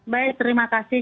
baik terima kasih